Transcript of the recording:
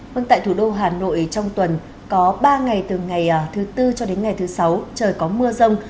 vâng tại thủ đô hà nội trong tuần có ba ngày từ ngày thứ tư cho đến ngày thứ sáu trời có mưa rông